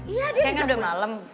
iya dia udah malem